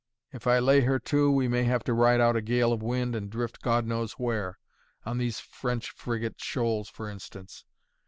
If I lay her to, we may have to ride out a gale of wind and drift God knows where on these French Frigate Shoals, for instance.